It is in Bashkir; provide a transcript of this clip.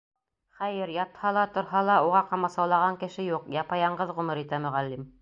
Хәйер, ятһа ла, торһа ла, уға ҡамасаулаған кеше юҡ, япа-яңғыҙ ғүмер итә Мөғәллим.